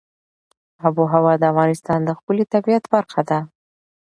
آب وهوا د افغانستان د ښکلي طبیعت برخه ده.